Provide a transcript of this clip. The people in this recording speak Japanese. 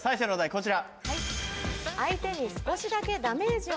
こちら。